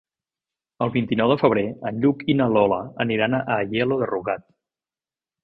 El vint-i-nou de febrer en Lluc i na Lola aniran a Aielo de Rugat.